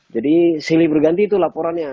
jadi silih berganti itu laporannya